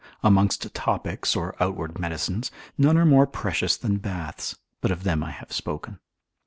Amongst topics or outward medicines, none are more precious than baths, but of them I have spoken.